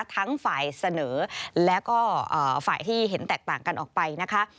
ทั้งฝ่ายเสนอแล้วก็ฝ่ายที่เห็นแตกต่างกันออกไปนะคะ